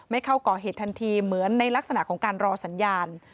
ไม่เข้าก่อเหตุทันทีเหมือนในลักษณะของการรอสัญญาณ